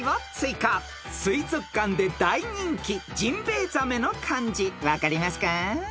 ［水族館で大人気ジンベエザメの漢字分かりますか？］